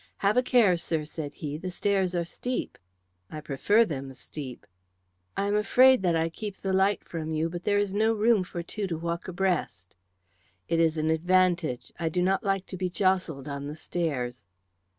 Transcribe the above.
"Have a care, sir," said he; "the stairs are steep." "I prefer them steep." "I am afraid that I keep the light from you, but there is no room for two to walk abreast." "It is an advantage. I do not like to be jostled on the stairs."